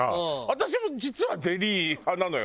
私も実はゼリー派なのよ。